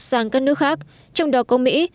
sang các nước khác trong đó có mỹ